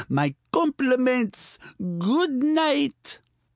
My compliments! Good night!"